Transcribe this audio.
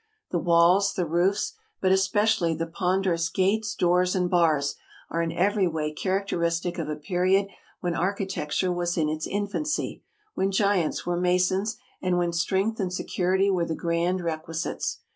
The walls, the roofs, but especially the ponderous gates, doors, and bars, are in every way characteristic of a period when architecture was in its infancy, when giants were masons, and when strength and security were the grand requisites.